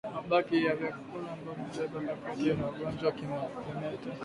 Mabaki ya vyakula ambavyo vimebeba bakteria vya ugonjwa wa kimeta